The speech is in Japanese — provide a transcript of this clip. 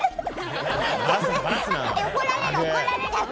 怒られる怒られちゃう。